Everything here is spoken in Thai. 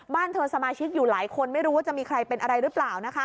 บ้านเธอสมาชิกอยู่หลายคนไม่รู้ว่าจะมีใครเป็นอะไรหรือเปล่านะคะ